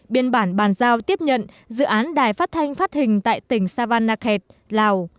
biên bản bàn giao tiếp nhận dự án đài phát thanh phát hình tại tỉnh savannakhet lào